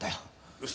よし！